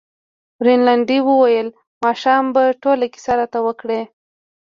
رینالډي وویل ماښام به ټوله کیسه راته وکړې.